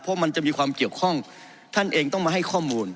เพราะมันจะมีความเกี่ยวข้องท่านเองต้องมาให้ข้อมูล